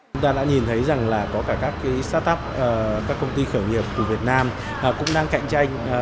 chúng ta đã nhìn thấy rằng là có cả các start up các công ty khởi nghiệp của việt nam cũng đang cạnh tranh